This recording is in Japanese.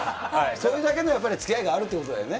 それだけのやっぱりつきあいがあるってことだよね。